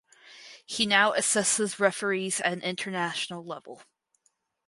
He now assesses referees at an international level.